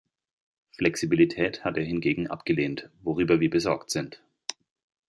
Flexibilität hat er hingegen abgelehnt, worüber wir besorgt sind.